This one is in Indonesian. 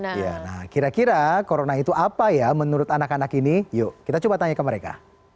iya nah kira kira corona itu apa ya menurut anak anak ini yuk kita coba tanya ke mereka